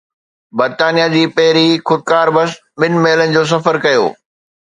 برطانيه جي پهرين خودڪار بس ٻن ميلن جو سفر ڪيو